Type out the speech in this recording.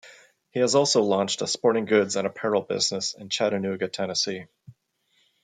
He has also launched a sporting goods and apparel business in Chattanooga, Tennessee.